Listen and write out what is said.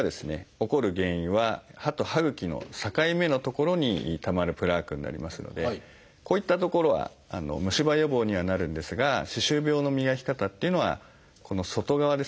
起こる原因は歯と歯ぐきの境目の所にたまるプラークになりますのでこういった所はむし歯予防にはなるんですが歯周病の磨き方っていうのはこの外側ですね。